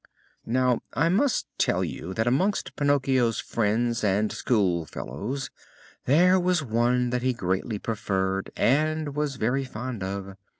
Now I must tell you that amongst Pinocchio's friends and school fellows there was one that he greatly preferred and was very fond of.